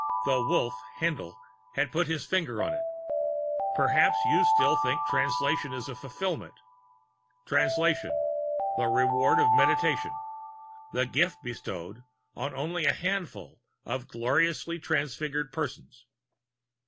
The Wolf, Haendl, had put his finger on it: Perhaps you still think Translation is a fulfillment. Translation the reward of Meditation, the gift bestowed on only a handful of gloriously transfigured persons.